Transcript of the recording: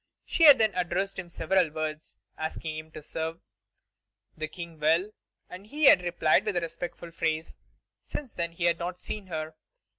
She had then addressed him several words, asking him to serve the King well, and he had replied with a respectful phrase. Since then he had not seen her.